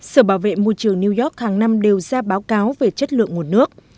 sở bảo vệ môi trường new york hàng năm đều ra báo cáo về chất lượng nguồn nước